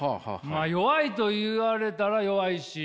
まあ「弱い」と言われたら弱いし。